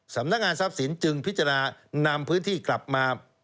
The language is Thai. สำนักงานทรัพย์สินจึงพิจารณานำพื้นที่กลับมา